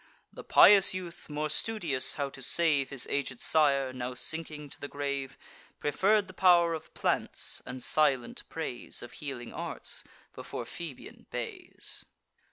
The pious youth, more studious how to save His aged sire, now sinking to the grave, Preferr'd the pow'r of plants, and silent praise Of healing arts, before Phoebean bays.